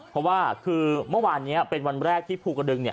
เพราะว่าคือเมื่อวานนี้เป็นวันแรกที่ภูกระดึงเนี่ย